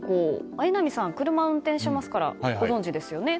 榎並さん、車を運転しますからご存じですよね？